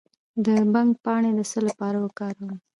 د بنګ پاڼې د څه لپاره وکاروم؟